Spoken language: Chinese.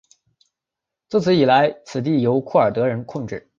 自此以来该地由库尔德人控制。